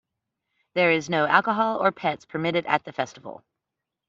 There is no alcohol or pets permitted at the festival.